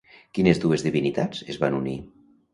Quines dues divinitats es van unir?